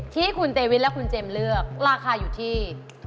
ที่คุณเตวิทและคุณเจมส์เลือกราคาอยู่ที่